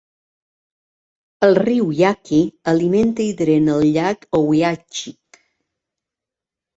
El riu Yaqui alimenta i drena el llac Ouiachic.